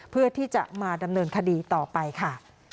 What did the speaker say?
เพื่อที่จะมาดำเนินคดีต่อไปค่ะ